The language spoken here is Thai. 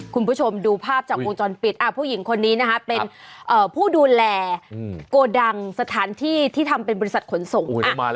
คุณผู้ชมดูภาพจากวงจรปิดผู้หญิงคนนี้นะคะเป็นผู้ดูแลโกดังสถานที่ที่ทำเป็นบริษัทขนส่ง